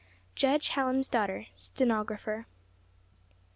JUDGE HALLAM'S DAUGHTER, STENOGRAPHER.